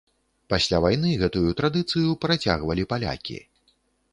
Пасля вайны гэтую традыцыю працягвалі палякі.